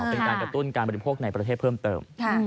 เป็นการกระตุ้นการบริโภคในประเทศเพิ่มเติม